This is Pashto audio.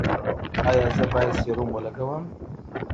ایا زه باید سیروم ولګوم؟